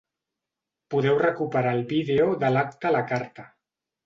Podeu recuperar el vídeo de l’acte a la carta.